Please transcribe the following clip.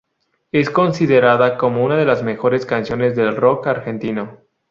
Es considerada como una de las mejores canciones del rock argentino.